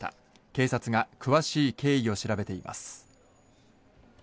警察が詳しい経緯を調べています。